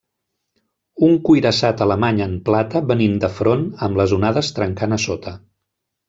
Un cuirassat alemany en plata venint de front, amb les onades trencant a sota.